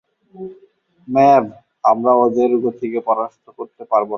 ম্যাভ, আমরা ওদের গতিতে পরাস্ত করতে পারবো না?